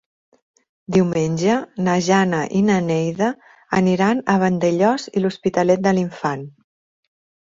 Diumenge na Jana i na Neida aniran a Vandellòs i l'Hospitalet de l'Infant.